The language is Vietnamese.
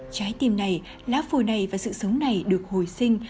trái tim này lá phổi này và sự sống này được hồi sinh